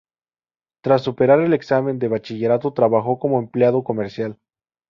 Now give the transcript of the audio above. Tras superar el examen de bachillerato trabajó como empleado comercial.